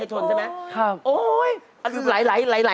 ทักกะแตนยงโยพุกโบทักดอกจำปลา